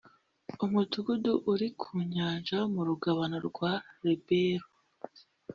umudugudu uri ku nyanja mu rugabano rwa rebero